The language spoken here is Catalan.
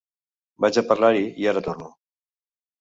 Vaig a parlar-hi i ara torno.